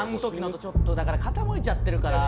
ちょっと傾いちゃってるから。